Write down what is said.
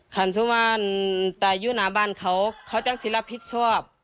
คันสุวรรณตายอยู่หน้าบ้านเขาเขาจังสิรับผิดชอบ